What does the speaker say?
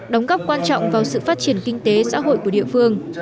đóng góp quan trọng vào sự phát triển kinh tế xã hội của địa phương